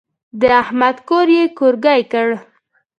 د احمد کور يې کورګی کړ.